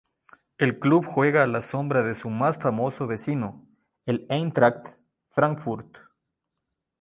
El club juega a la sombra de su más famoso vecino el "Eintracht Frankfurt".